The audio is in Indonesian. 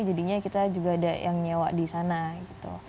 jadinya kita juga ada yang nyewa di sana gitu